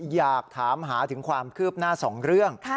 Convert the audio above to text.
อยากถามหาถึงความคืบหน้า๒เรื่อง